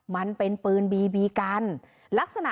มันเป็นปืนบีบีกัน